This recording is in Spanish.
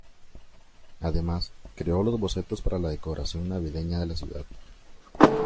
Además creó los bocetos para la decoración navideña de la ciudad.